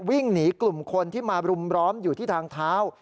วิ่งหนีกลุ่มคนที่มารุมร้อมอยู่ที่ทางเท้า